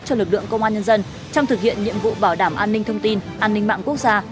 trong thực hiện nhiệm vụ bảo đảm an ninh thông tin an ninh mạng quốc gia